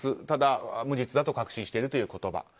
ただ、無実だと確信しているという言葉。